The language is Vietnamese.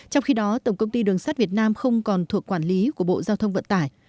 trong khi đó tổng công ty đường sắt việt nam không còn thuộc quản lý của bộ giao thông vận tải